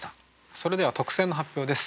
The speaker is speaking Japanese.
それでは特選の発表です。